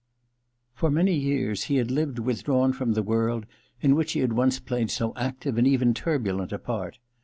For many years he had lived withdrawn from the world in which he had once played so active and even turbulent a part.